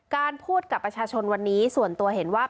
พูดกับประชาชนวันนี้ส่วนตัวเห็นว่า